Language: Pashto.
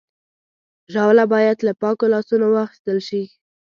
ژاوله باید له پاکو لاسونو واخیستل شي.